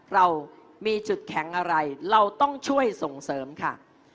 เรามีจุดแข็งอะไรเราต้องช่วยส่งเสริมค่ะ